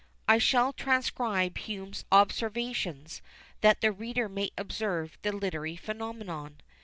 I shall transcribe Hume's observations, that the reader may observe the literary phenomenon.